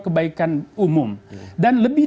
kebaikan umum dan lebih